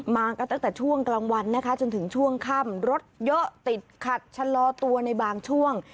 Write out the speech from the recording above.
มากันตั้งแต่ช่วงกลางวันนะคะจนถึงช่วงค่ำรถเยอะติดขัดชะลอตัวในบางช่วง